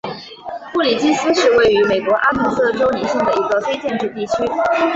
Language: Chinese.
布里基斯是位于美国阿肯色州李县的一个非建制地区。